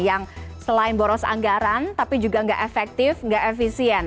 yang selain boros anggaran tapi juga nggak efektif nggak efisien